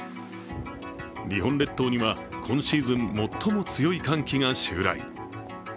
日本列島には、今シーズン最も強い寒気が襲来。